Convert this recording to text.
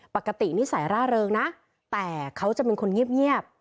นิสัยร่าเริงนะแต่เขาจะเป็นคนเงียบ